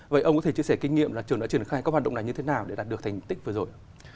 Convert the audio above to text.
vậy ông có thể chia sẻ kinh nghiệm là trường đã triển khai các hoạt động này như thế nào để đạt được thành tích vừa rồi